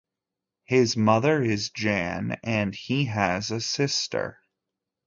His mother is Jan and he has a sister.